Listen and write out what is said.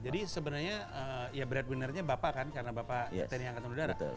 jadi sebenarnya ya breadwinernya bapak kan karena bapak teriangkan udara